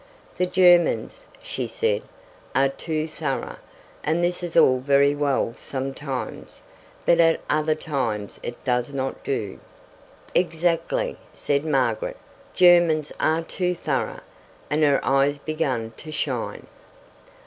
"The Germans," she said, "are too thorough, and this is all very well sometimes, but at other times it does not do." "Exactly," said Margaret; "Germans are too thorough." And her eyes began to shine.